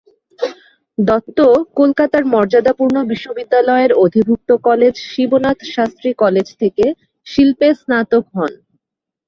দত্ত কলকাতার মর্যাদাপূর্ণ বিশ্ববিদ্যালয়ের অধিভুক্ত কলেজ শিবনাথ শাস্ত্রী কলেজ থেকে শিল্পে স্নাতক হন।